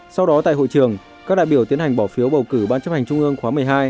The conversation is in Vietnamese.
sau đó tại hội trường các đại biểu tiến hành bỏ phiếu bầu cử ban chấp hành trung ương khóa một mươi hai